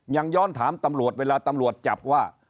ย้อนถามตำรวจเวลาตำรวจจับว่า